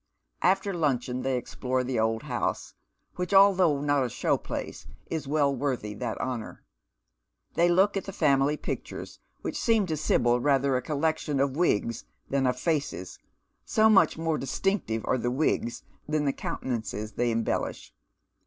After luncheon they explore the old house, which although not a show place, is well worthy that honour. They look at the family pictures, which seem to Sibyl rather a collection of wigs than of faces, so much more dis tinctive are the wigs than the countenances they embellish.